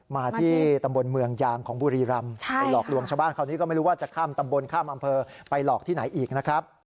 มาที่ตำบลเมืองยางของบุรีรำไปหลอกลวงชาวบ้านคราวนี้ก็ไม่รู้ว่าจะข้ามตำบลข้ามอำเภอไปหลอกที่ไหนอีกนะครับ